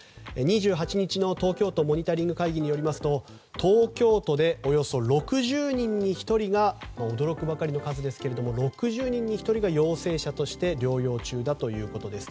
２８日の東京都モニタリング会議によりますと東京都で驚くばかりの数ですが６０人に１人が陽性者として療養中だということです。